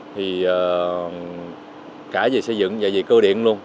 thì cả về xây dựng và về cơ điện luôn